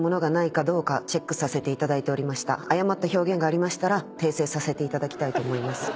誤った表現がありましたら訂正させていただきたいと。